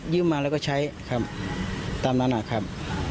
มาแล้วก็ใช้ครับตามนั้นนะครับ